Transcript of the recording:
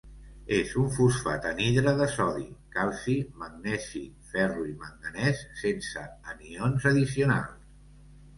És un fosfat anhidre de sodi, calci, magnesi, ferro i manganès, sense anions addicionals.